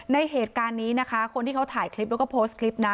ในเหตุการณ์นี้นะคะคนที่เขาถ่ายคลิปแล้วก็โพสต์คลิปนะ